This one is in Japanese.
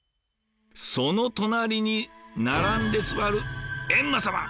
その隣に並んで座る閻魔様！